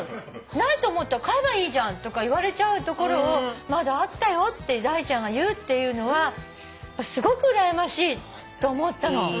ないと思ったら買えばいいじゃんとか言われちゃうところをまだあったよってダイちゃんが言うっていうのはすごくうらやましいと思ったの。